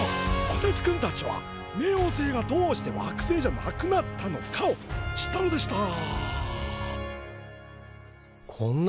こてつくんたちは冥王星がどうして惑星じゃなくなったのかを知ったのでしたこんな公園があったのか。